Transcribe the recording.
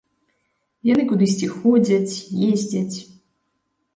Яны кудысьці ходзяць, ездзяць.